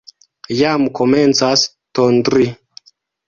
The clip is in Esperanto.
Jam komencas tondri.